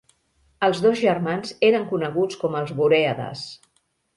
Els dos germans eren coneguts com els Borèades.